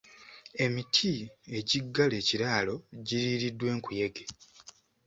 Emiti egiggala ekiraalo giriiriddwa enkuyege.